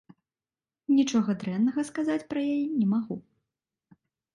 Нічога дрэннага сказаць пра яе не магу.